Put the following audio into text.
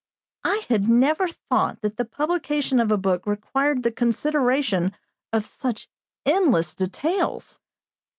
I had never thought that the publication of a book required the consideration of such endless details.